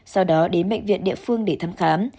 sau đó đến bệnh viện địa phương để thăm khám